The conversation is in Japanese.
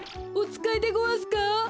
おつかいでごわすか？